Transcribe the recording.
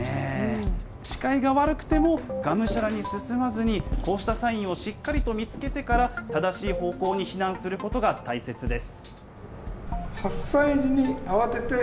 視界が悪くてもがむしゃらに進まずにこうしたサインをしっかりと見つけてから正しい方向に避難することが大切です。